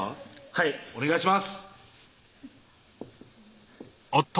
はいお願いします